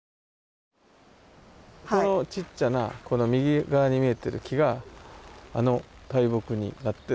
このちっちゃなこの右側に見えてる木があの大木になってる。